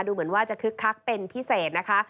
เหมือนว่าจะคึกคักเป็นพิเศษนะคะ